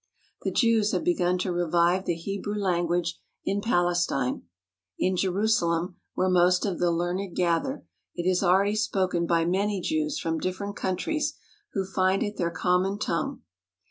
The Jews have begun to revive the Hebrew language in Palestine. In Jerusalem, where most of the learned gather, it is already spoken by many Jews from different countries who find it their common tongue.